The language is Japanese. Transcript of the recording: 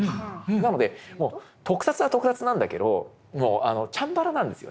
なのでもう特撮は特撮なんだけどチャンバラなんですよね。